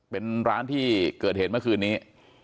เป็นร้านที่เกิดเหตุเมื่อคืนนี้